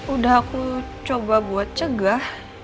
udah aku coba buat cegah